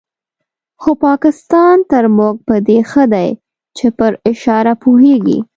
خو پاکستان تر موږ په دې ښه دی چې پر اشاره پوهېږي.